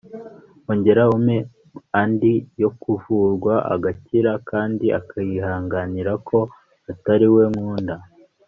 ongera umpe andi yo kuvurwa agakira kandi akihanganira ko atariwe nkunda